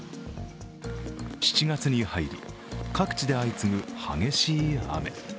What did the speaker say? ７月に入り、各地で相次ぐ激しい雨。